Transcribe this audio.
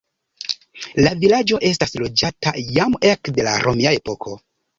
La vilaĝo estas loĝata jam ekde la romia epoko.